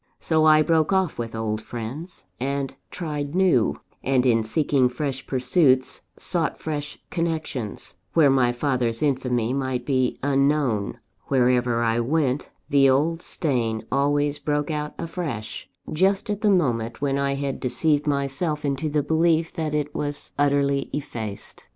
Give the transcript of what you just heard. So I broke off with old friends, and tried new; and, in seeking fresh pursuits, sought fresh connections, where my father's infamy might be unknown. Wherever I went, the old stain always broke out afresh, just at the moment when I had deceived myself into the belief that it was utterly effaced.